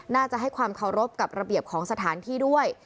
น่าจะให้ความเคารพกับระเบียบของสถานที่ด้วย